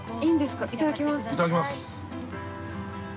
◆いただきます。